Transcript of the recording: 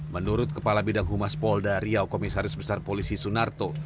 menurut kepala bidang humas polda riau komisaris besar polisi sunarto